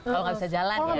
kalau nggak bisa jalan ya